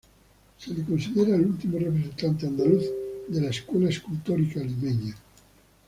Se le considera el último representante andaluz de la escuela escultórica limeña.